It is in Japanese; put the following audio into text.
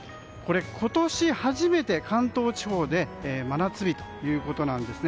今年初めて関東地方で真夏日ということなんです。